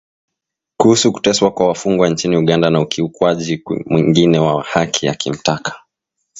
Kuhusu kuteswa kwa wafungwa nchini Uganda na ukiukwaji mwingine wa haki akimtaka.